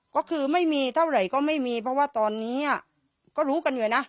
ก็คือไม่มีเท่าไหร่ก็ไม่มีเพราะว่าตอนนี้ก็รู้กันอยู่นะ